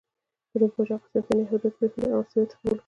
د روم پاچا قسطنطین یهودیت پرېښود او عیسویت یې قبول کړ.